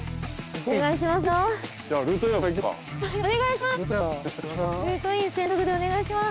お願いします。